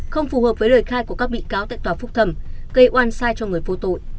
không phù hợp với lời khai của các bị cáo tại tòa phúc thẩm gây oan sai cho người vô tội